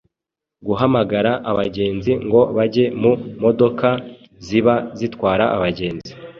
gahamagara abagenzi ngo bajye mu modoka ziba zitwara abagenzi